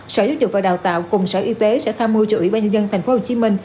sở giáo dục và đào tạo cùng sở y tế sẽ tham mưu cho ủy ban nhân dân tp hcm